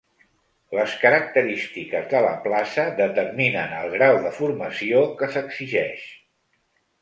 Les característiques de la plaça determinen el grau de formació que s’exigeix.